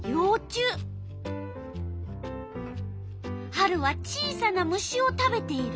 春は小さな虫を食べている。